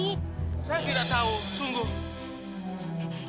saya tidak tahu sungguh